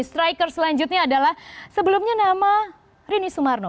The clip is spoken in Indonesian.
striker selanjutnya adalah sebelumnya nama rini sumarno